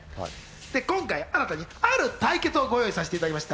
今回、新たにある対決をご用意させていただきました。